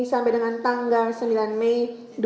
sampai dengan tanggal sembilan mei